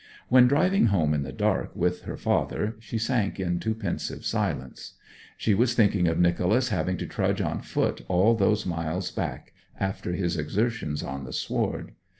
When driving home in the dark with her father she sank into pensive silence. She was thinking of Nicholas having to trudge on foot all those miles back after his exertions on the sward.